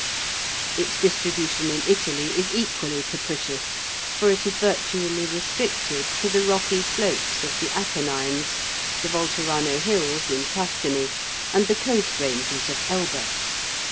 Its distribution in Italy is equally capricious, for it is virtually restricted to the rocky slopes of the Apennines, the Volterrano Hills in Tuscany, and the coast ranges of Elba.